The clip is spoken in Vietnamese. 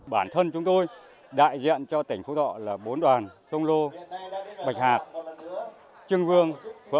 bản thân chúng tôi đại diện cho tỉnh phú thọ là bốn đoàn sông lô bạch hạc trưng vương